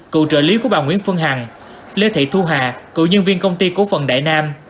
cựu trợ lý của bà nguyễn phương hằng lê thị thu hà cựu nhân viên công ty cổ phần đại nam